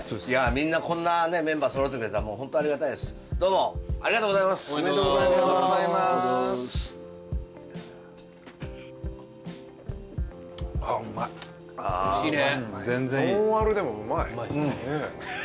みんなこんなメンバー揃ってくれてホントありがたいですどうもありがとうございますおめでとうございますあっうまいおいしいね全然いいノンアルでもうまいねえ